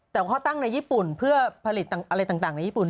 แต่ว่าเขาตั้งในญี่ปุ่นเพื่อผลิตอะไรต่างในญี่ปุ่น